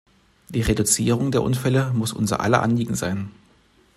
Die Reduzierung der Unfälle muss unser aller Anliegen sein.